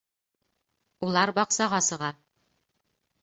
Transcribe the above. Улар баҡсаға сыға